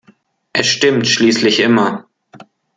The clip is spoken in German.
Es stimmt schließlich immer.